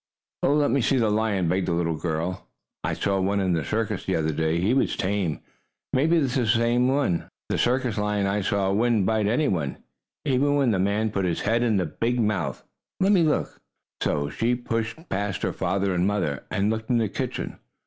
"Oh, let me see the lion!" begged the little girl. "I saw one in the circus the other day, and he was tame. Maybe this is the same one. The circus lion I saw wouldn't bite any one, even when the man put his head in the big mouth. Let me look!" She pushed past her father and mother, and looked in the kitchen.